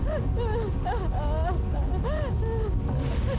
bantu melalui batu batangku